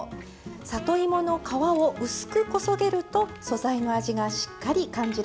里芋の皮を薄くこそげると素材の味がしっかり感じられます。